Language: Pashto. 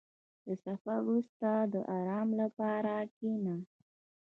• د سفر وروسته، د آرام لپاره کښېنه.